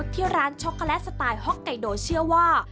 ที่ร้านช็อกโกแลตสไตล์ฮ็อกไกโดเชื่อว่า